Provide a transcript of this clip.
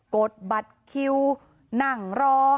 กดบัตรคิวนั่งรอ